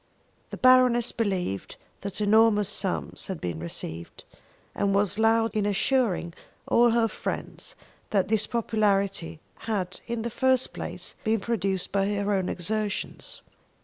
The Baroness believed that enormous sums had been received, and was loud in assuring all her friends that this popularity had in the first place been produced by her own exertions.